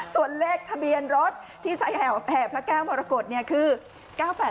ส่วนเลขทะเบียนรถที่แห่วแผลแก้วมารกฏเนี่ยคือ๙๘๓๖อย่างนั้นเลย